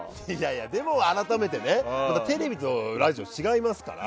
でも、改めてテレビとラジオは違いますから。